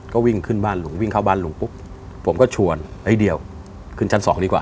ก็วิ่งขึ้นบ้านลุงวิ่งเข้าบ้านลุงปุ๊บผมก็ชวนไอ้เดียวขึ้นชั้นสองดีกว่า